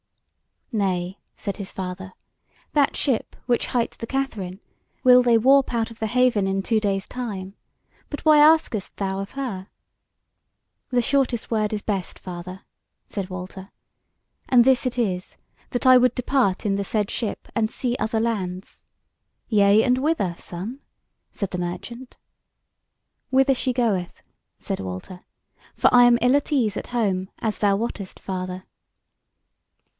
"Nay," said his father, "that ship, which hight the Katherine, will they warp out of the haven in two days' time. But why askest thou of her?" "The shortest word is best, father," said Walter, "and this it is, that I would depart in the said ship and see other lands." "Yea and whither, son?" said the merchant. "Whither she goeth," said Walter, "for I am ill at ease at home, as thou wottest, father."